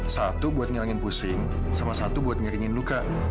satu buat ngelengin pusing sama satu buat ngeringin luka